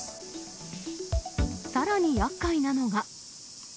さらにやっかいなのが。